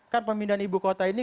kan pemindahan ibu kota ini